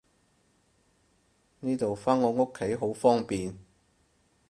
呢度返我屋企好方便